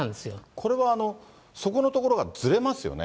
これはそこの所がずれますよね。